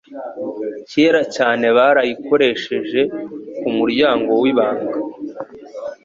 kera cyane barayikoresheje kumuryango wibanga